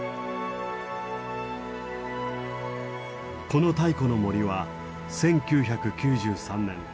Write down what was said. この太古の森は１９９３年